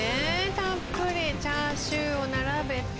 たっぷりチャーシューを並べて。